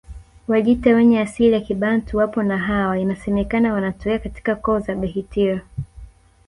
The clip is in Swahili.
Wajita wenye asili ya Kibantu wapo na hawa inasemekana wanatokea katika koo za Bahitira